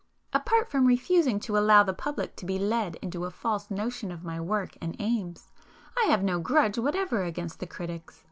Apart from refusing to allow the public to be led into a false notion of my work and aims, I have no grudge whatever against the critics.